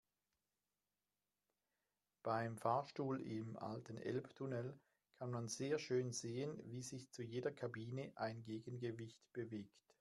Beim Fahrstuhl im alten Elbtunnel kann man sehr schön sehen, wie sich zu jeder Kabine ein Gegengewicht bewegt.